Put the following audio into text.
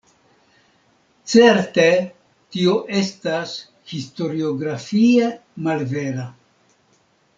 Certe, tio estas historiografie malvera.